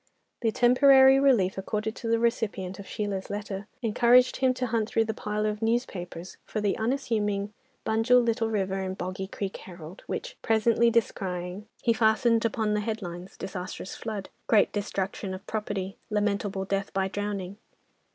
The temporary relief accorded to the recipient of Sheila's letter encouraged him to hunt through the pile of newspapers for the unassuming Bunjil, Little River, and Boggy Creek Herald, which, presently descrying, he fastened upon the headlines, "Disastrous flood." "Great destruction of property." "Lamentable death by drowning."